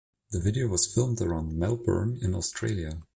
The video was filmed around Melbourne in Australia.